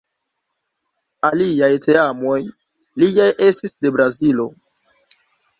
Aliaj teamoj liaj estis de Brazilo.